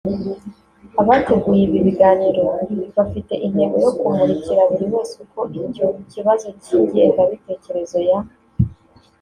abateguye ibi biganiro bafite intego yo kumurikira buri wese uko icyo kibazo cy’ingengabitekerezo ya